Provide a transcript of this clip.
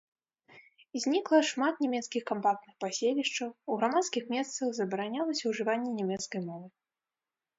Знікла шмат нямецкіх кампактных паселішчаў, у грамадскіх месцах забаранялася ўжыванне нямецкай мовы.